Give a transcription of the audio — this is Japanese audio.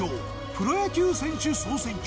プロ野球選手総選挙。